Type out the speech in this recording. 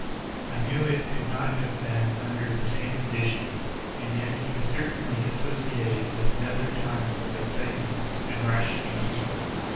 I knew it could not have been under the same conditions, and yet he was certainly associated with another time of excitement and rush and heat.